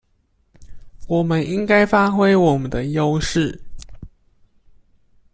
我們應該發揮我們的優勢